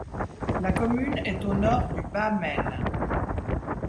La commune est au nord du Bas Maine.